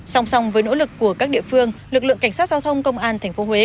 song song với nỗ lực của các địa phương lực lượng cảnh sát giao thông công an tp huế